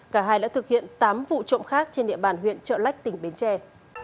cả hai đã thực hiện tám vụ trộm khác trên địa bàn huyện trợ lách tỉnh bến tre